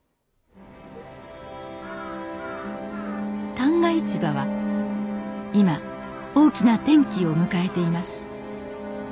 旦過市場は今大きな転機を迎えています。